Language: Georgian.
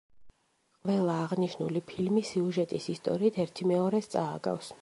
ყველა აღნიშნული ფილმი სიუჟეტის ისტორიით ერთიმეორეს წააგავს.